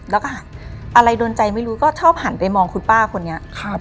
แล้วก็อะไรโดนใจไม่รู้ก็ชอบหันไปมองคุณป้าคนนี้